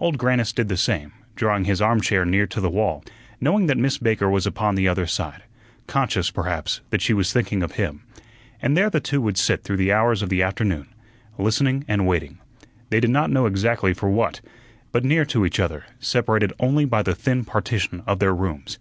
Old Grannis did the same, drawing his arm chair near to the wall, knowing that Miss Baker was upon the other side, conscious, perhaps, that she was thinking of him; and there the two would sit through the hours of the afternoon, listening and waiting, they did not know exactly for what, but near to each other, separated only by the thin partition of their rooms.